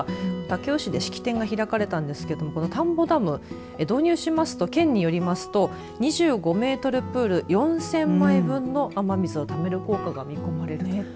武雄市で式典が開かれたんですけれども田んぼダム導入しますと県によりますと２５メートルプール４０００杯分の雨水をためる効果が見込まれると。